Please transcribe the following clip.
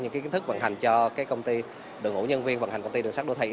những cái kiến thức vận hành cho cái công ty đường ngũ nhân viên vận hành công ty đường sát đô thị